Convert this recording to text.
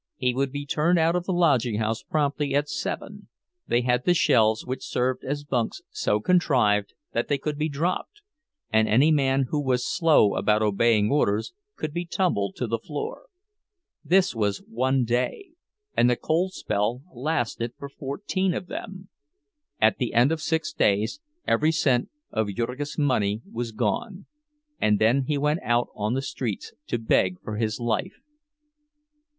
He would be turned out of the lodging house promptly at seven—they had the shelves which served as bunks so contrived that they could be dropped, and any man who was slow about obeying orders could be tumbled to the floor. This was one day, and the cold spell lasted for fourteen of them. At the end of six days every cent of Jurgis' money was gone; and then he went out on the streets to beg for his life.